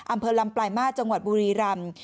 อำเภอลำปลายมาสจังหวัดบุรีรำ